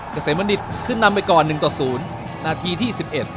เกษมบัณฑิตขึ้นนำไปก่อน๑ต่อ๐นาทีที่๑๑